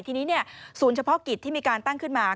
ทีนี้ศูนย์เฉพาะกิจที่มีการตั้งขึ้นมา